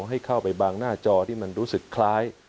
ให้เข้าไปบางหน้าจอที่มันรู้สึกคล้าย